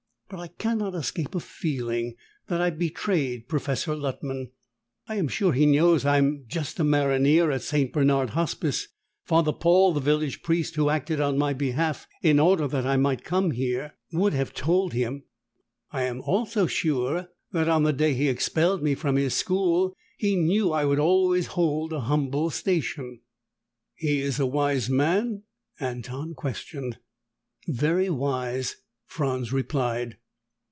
"But I cannot escape a feeling that I betrayed Professor Luttman. I am sure he knows I am just a maronnier at St. Bernard Hospice. Father Paul, the village priest who acted on my behalf in order that I might come here, would have told him. I am also sure that, on the day he expelled me from his school, he knew I would always hold a humble station." "He is a wise man?" Anton questioned. "Very wise," Franz replied.